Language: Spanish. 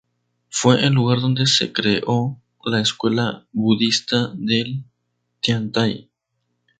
Fue el lugar donde se creó la Escuela Budista del Tiantai.